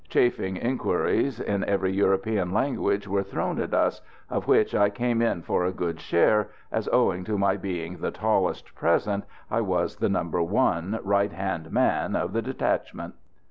Chaffing queries in every European language were thrown at us, of which I came in for a good share, as, owing to my being the tallest present, I was the Number One, right hand man of the detachment.